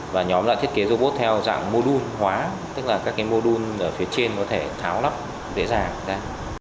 và nhóm lại thiết kế robot theo dạng mô đun hóa tức là các cái mô đun ở phía trên có thể tháo lắp dễ dàng ra